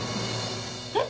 えっ？